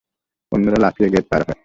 অন্যরা লাফিয়ে গেট পার হয়।